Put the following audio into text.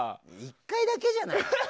１回だけじゃない。